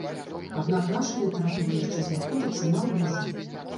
Аднак наша літаратура яшчэ знаходзіцца на рубяжы.